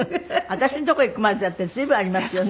私のとこいくまでだって随分ありますよね。